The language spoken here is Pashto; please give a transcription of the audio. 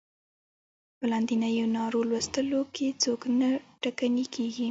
په لاندنیو نارو لوستلو کې څوک نه ټکنی کیږي.